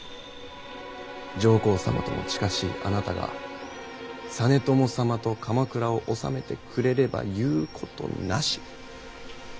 上皇様とも近しいあなたが実朝様と鎌倉を治めてくれれば言うことなし。